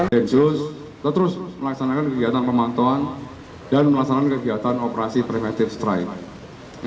densus terus melaksanakan kegiatan pemantauan dan melaksanakan kegiatan operasi premiter strike